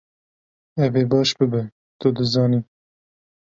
Ev ê baş bibe, tu dizanî.